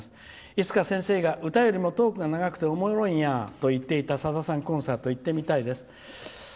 いつか先生が歌よりもトークが長くておもろいんやと言っていたさださんコンサート行ってみたいです」。